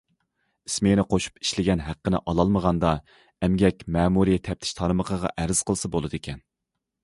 ئىسمېنا قوشۇپ ئىشلىگەن ھەققىنى ئالالمىغاندا، ئەمگەك مەمۇرىي تەپتىش تارمىقىغا ئەرز قىلسا بولىدىكەن.